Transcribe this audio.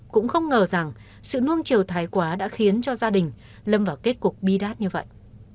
cũng không ngờ rằng sự nông triều thái quá đã khiến cho gia đình lâm vào kết cục bi đát như vậy